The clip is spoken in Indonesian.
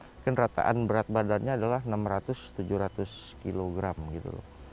mungkin rataan berat badannya adalah enam ratus tujuh ratus kilogram gitu loh